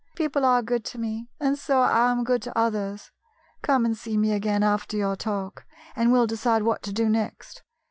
" People are good to me, and so I am good to others. Come and see me again, after your talk, and we 'll decide what to do next.